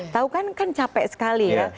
tahu kan capek sekali ya